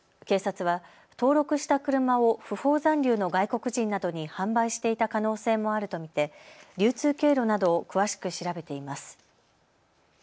警察は登録した車を不法残留の外国人などに販売していた可能性もあると見て流通経路などを詳しく調べています。